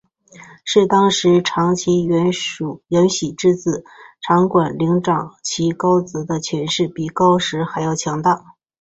但是当时长崎圆喜之子内管领长崎高资的权势比高时还要强大。